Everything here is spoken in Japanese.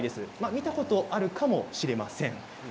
見たことあるかもしれません。